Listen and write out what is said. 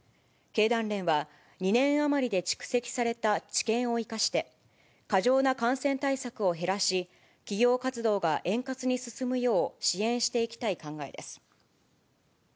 経団連は２年余りで蓄積された知見を生かして、過剰な感染対策を減らし、企業活動が円滑に進むよう支援していきたい考えです。